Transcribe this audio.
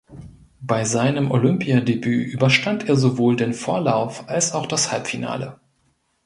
Bei seinem Olympiadebüt überstand er sowohl den Vorlauf als auch das Halbfinale.